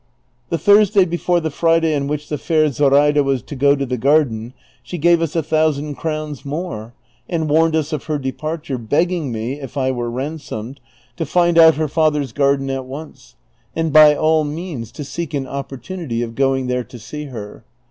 The Thui'sday before the Friday on which the fair Zoraida was to go to the garden she gave ns a thou sand crowns more, and warned us of her departure, begging me, if I were ransomed, to find out her father's garden at once, and by all means to seek an opportunity of going there to see her.